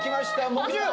木１０！